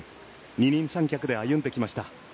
二人三脚で歩んできました。